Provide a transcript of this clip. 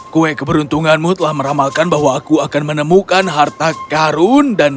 kue keberuntunganmu telah meramalkan bahwa aku akan menemukan harta karun dan